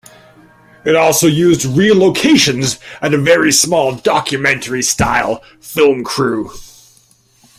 It also used real locations, and a very small documentary-style film crew.